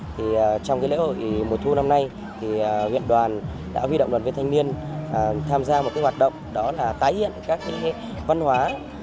thì trong lễ hội mùa thu năm nay huyện đoàn đã vi động đoàn viên thanh niên tham gia một hoạt động đó là tái hiện các văn hóa